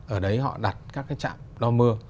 ở đấy họ đặt các cái trạm đo mưa